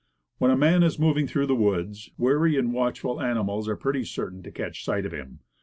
When a man is moving through the woods, wary, watchful animals are pretty certain to catch sight of him.